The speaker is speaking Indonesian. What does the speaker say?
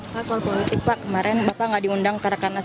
pasal politik pak kemarin bapak gak diundang ke rakernas